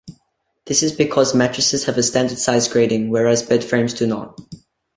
This is because mattresses have a standard size grading, whereas bed frames do not.